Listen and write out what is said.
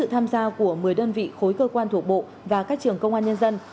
tham gia của một mươi đơn vị khối cơ quan thuộc bộ và các trường công an nhân dân